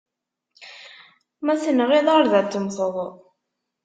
Ma ur tenɣiḍ, ard ad temmteḍ.